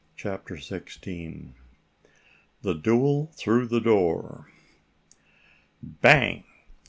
CHAPTER XVI THE DUEL THROUGH THE DOOR Bang!